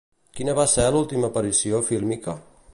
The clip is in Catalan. Quina va ser l'última aparició fílmica?